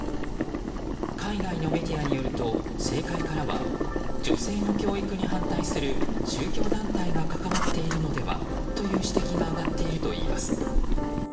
海外のメディアによると政界からは女性の教育に反対する宗教団体が関わっているのではという指摘が上がっているといいます。